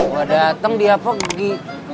gua dateng dia apa pergi